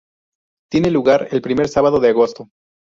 Tiene lugar el primer sábado de agosto.